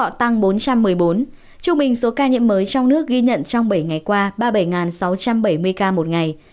hà tĩnh bốn trăm một mươi bốn trung bình số ca nhiễm mới trong nước ghi nhận trong bảy ngày qua ba mươi bảy sáu trăm bảy mươi ca một ngày